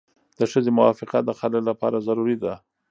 د ښځې موافقه د خلع لپاره ضروري ده.